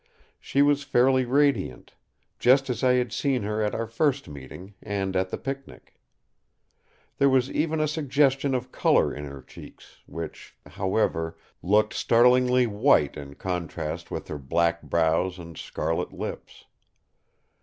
She was fairly radiant; just as I had seen her at our first meeting and at the picnic. There was even a suggestion of colour in her cheeks, which, however, looked startlingly white in contrast with her black brows and scarlet lips.